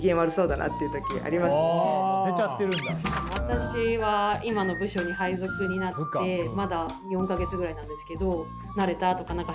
私は今の部署に配属になってまだ４か月ぐらいなんですけど